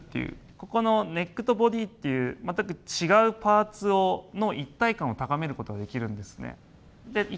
ここのネックとボディっていう全く違うパーツの一体感を高める事ができるんですね。